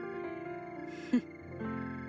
フッ。